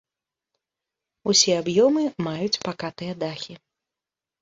Усе аб'ёмы маюць пакатыя дахі.